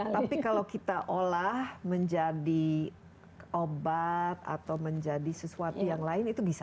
tapi kalau kita olah menjadi obat atau menjadi sesuatu yang lain itu bisa